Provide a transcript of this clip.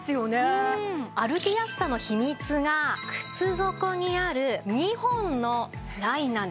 歩きやすさの秘密が靴底にある２本のラインなんです。